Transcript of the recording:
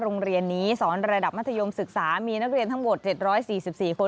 โรงเรียนนี้สอนระดับมัธยมศึกษามีนักเรียนทั้งหมด๗๔๔คน